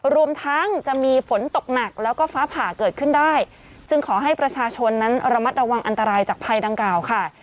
รวมทั้งจะมีฝนตกหนักแล้วก็ฟ้าผ่าเกิดขึ้นได้จึงขอให้ประชาชนนั้นระมัดระวังอันตรายจากภัยดังกล่าวค่ะ